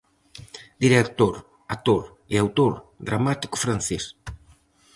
Director, actor e autor dramático francés.